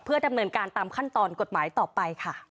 ดำเนินการตามขั้นตอนกฎหมายต่อไปค่ะ